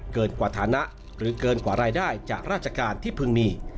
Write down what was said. เกินกว่าฐานะหรือเกินกว่ารายได้จากราชการที่พึงมี